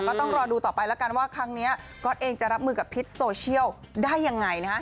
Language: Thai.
ก็ต้องรอดูต่อไปแล้วกันว่าครั้งนี้ก๊อตเองจะรับมือกับพิษโซเชียลได้ยังไง